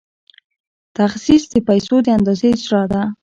تخصیص د پیسو د اندازې اجرا ده.